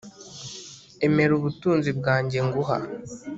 Emera ubutunzi bwanjye nguha